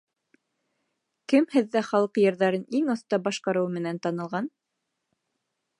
Кем һеҙҙә халыҡ йырҙарын иң оҫта башҡарыуы менән танылған?